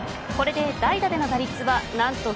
これで代打での打率はなど